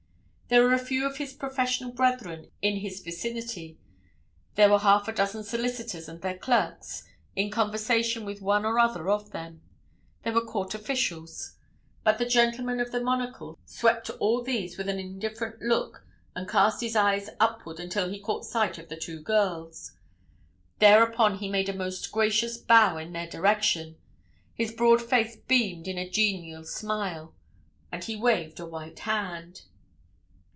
There were a few of his professional brethren in his vicinity; there were half a dozen solicitors and their clerks in conversation with one or other of them; there were court officials. But the gentleman of the monocle swept all these with an indifferent look and cast his eyes upward until he caught sight of the two girls. Thereupon he made a most gracious bow in their direction; his broad face beamed in a genial smile, and he waved a white hand.